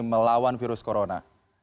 melawan virus corona